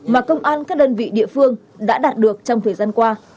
mà công an các đơn vị địa phương đã đạt được trong thời gian qua